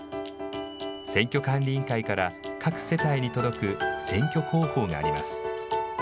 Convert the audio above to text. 選挙管理委員会から各世帯に届く選挙公報があります。